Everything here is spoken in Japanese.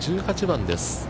１８番です。